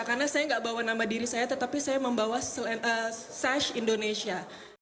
karena saya gak bawa nama diri saya tetapi saya membawa sash indonesia